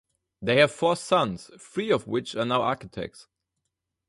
They have four sons, three of which are now architects.